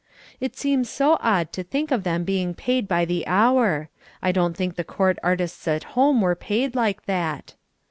It seems so odd to think of them being paid by the hour. I don't think the court artists at home were paid like that.